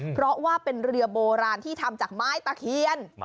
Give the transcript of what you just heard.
เพราะว่าเป็นเรือโบราณที่ทำจากไม้ตะเคียน